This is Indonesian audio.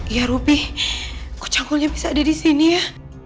iya ruby kok canggulnya bisa ada disini ya